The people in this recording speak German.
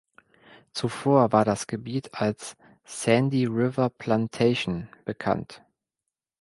Zuvor war das Gebiet als "Sandy River Plantation" bekannt.